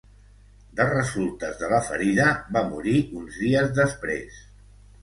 De resultes de la ferida va morir uns dies després.